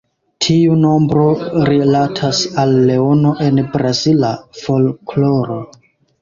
Tiu nombro rilatas al Leono en brazila folkloro.